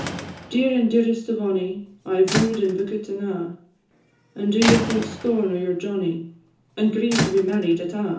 Dear and dearest of ony, I 've woo'd, and bookit, and a'; And do you think scorn o' your Johnnie, And grieve to be married at a'?"